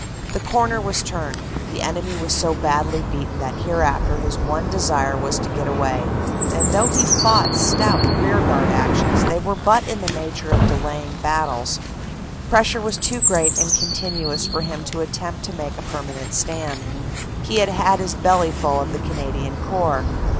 The corner was turned. The enemy was so badly beaten that hereafter his one 274 AFTER THE BATTLE 275 desire was to get away, and though he fought stout rearguard actions, they were but in the nature of delaying battles. Pres sure was too great and continuous for him to attempt to make a permanent stand. He had had his bellyful of the Canadian Corps.